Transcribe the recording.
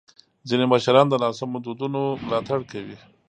ځینې مشران د ناسم دودونو ملاتړ کوي.